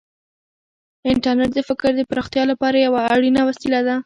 انټرنیټ د فکر د پراختیا لپاره یوه اړینه وسیله ده.